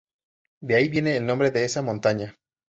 De ahí viene el nombre de esta montaña.